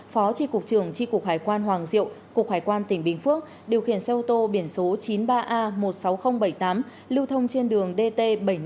phó tri cục trường tri cục hải quan hoàng diệu cục hải quan tỉnh bình phước điều khiển xe ô tô biển số chín mươi ba a một mươi sáu nghìn bảy mươi tám lưu thông trên đường dt bảy trăm năm mươi